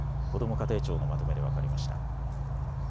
家庭庁のまとめで分かりました。